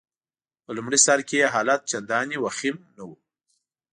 په لمړي سر کي يې حالت چنداني وخیم نه وو.